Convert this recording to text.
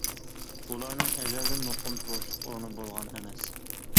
ئۇلارنىڭ ئەزەلدىن مۇقىم تۇرۇشلۇق ئورنى بولغان ئەمەس.